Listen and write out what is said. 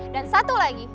dan satu lagi